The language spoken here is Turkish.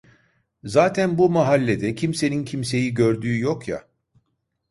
Zaten bu mahallede kimsenin kimseyi gördüğü yok ya!